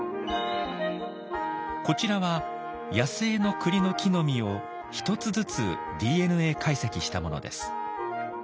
こちらは野生のクリの木の実を１つずつＤＮＡ解析したものです。